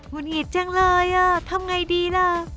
ุดหงิดจังเลยทำไงดีล่ะ